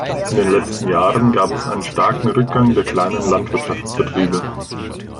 In den letzten Jahren gab es einen starken Rückgang der kleinen Landwirtschaftsbetriebe.